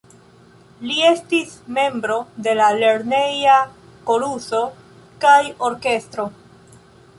Li estis membro de la lerneja koruso kaj orkestro.